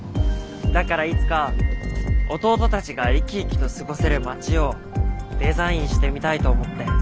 だからいつか弟たちが生き生きと過ごせる街をデザインしてみたいと思って。